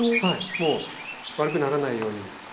もう悪くならないように。